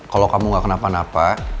kalau kamu gak kenapa napa